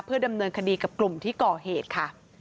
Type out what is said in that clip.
ดำเนินคดีกับกลุ่มที่ก่อเหตุค่ะ